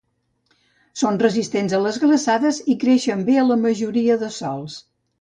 Són resistents a les glaçades i creixen bé a la majoria de sòls.